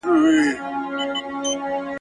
که یو زده کوونکی په املا کي دقت وکړي.